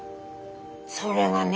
☎それがね